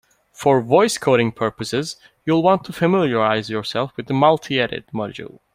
For voice coding purposes, you'll want to familiarize yourself with the multiedit module.